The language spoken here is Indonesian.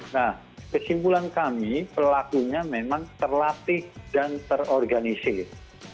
nah kesimpulan kami pelakunya memang terlatih dan terorganisir